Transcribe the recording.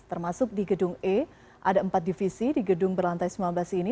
termasuk di gedung e ada empat divisi di gedung berlantai sembilan belas ini